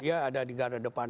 dia ada di garda depan